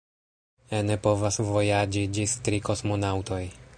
Ene povas vojaĝi ĝis tri kosmonaŭtoj.